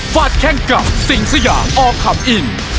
ฟาดแข่งกับสิงษยาอคัมอิน